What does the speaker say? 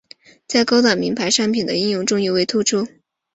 在高档名牌商品的应用中尤为突出。